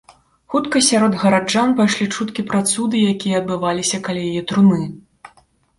Хутка сярод гараджан пайшлі чуткі пра цуды, якія адбываліся каля яе труны.